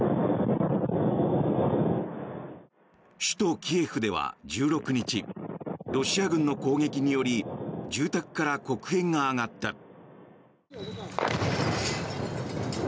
首都キエフでは１６日ロシア軍の攻撃により住宅から黒煙が上がった。